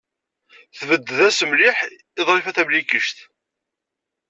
Tbedded-as mliḥ i Ḍrifa Tamlikect.